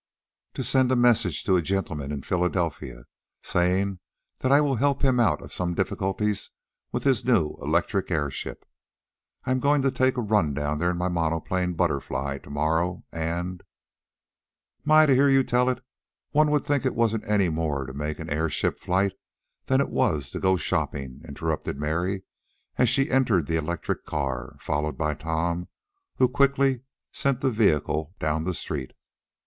"To send a message to a gentleman in Philadelphia, saying that I will help him out of some difficulties with his new electric airship. I'm going to take a run down there in my monoplane, BUTTERFLY, to morrow, and " "My! to hear you tell it, one would think it wasn't any more to make an airship flight than it was to go shopping," interrupted Mary, as she entered the electric car, followed by Tom, who quickly sent the vehicle down the street.